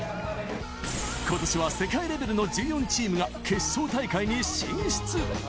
ことしは世界レベルの１４チームが決勝大会に進出。